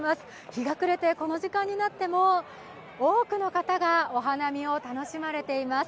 日が暮れてこの時間になっても、多くの人がお花見を楽しまれています。